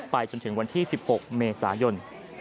จนถึงวันที่๑๖เมษายน